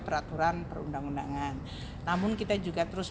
beberapa cara iness service baikodia dilakukan itu adalah